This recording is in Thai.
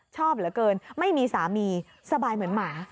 ชอบเหลือเกินไม่มีสามีสบายเหมือนหมา